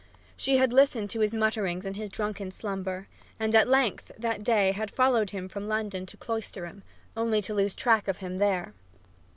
She had listened to his mutterings in his drunken slumber, and at length that day had followed him from London to Cloisterham, only to lose track of him there.